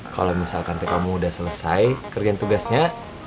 kalau misalkan tante kamu udah selesai kerjaan tugasnya